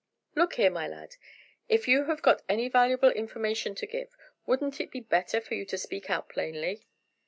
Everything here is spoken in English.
"Look here, my lad, if you have got any valuable information to give, wouldn't it be better for you to speak out plainly?"